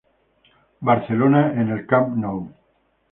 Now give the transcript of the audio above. Barcelona en el Camp Nou.